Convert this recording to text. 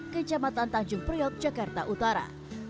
kecamatan tanjung priok jakarta utara